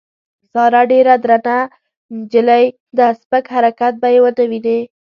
ساره ډېره درنه نجیلۍ ده سپک حرکت به یې ونه وینې.